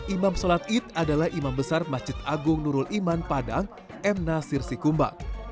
imam sholat id adalah imam besar masjid agung nurul iman padang m nasir sikumbang